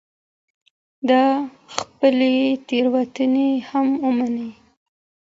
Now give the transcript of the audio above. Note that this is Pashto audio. ده خپلې تېروتني هم ومنلې